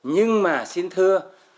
nhưng mà xin thưa